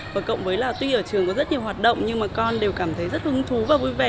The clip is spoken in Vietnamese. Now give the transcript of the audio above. và cộng với là tuy ở trường có rất nhiều hoạt động nhưng mà con đều cảm thấy rất hứng thú và vui vẻ